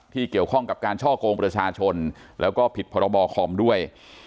เกี่ยวข้องกับการช่อกงประชาชนแล้วก็ผิดพรบคอมด้วย